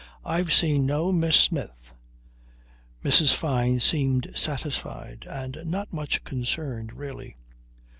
I've seen no Miss Smith." Mrs. Fyne seemed satisfied and not much concerned really.